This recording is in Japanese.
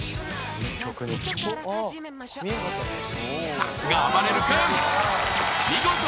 さすがあばれる君！